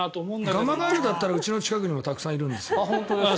ガマガエルだったらうちの近くにもたくさんいるんですよ。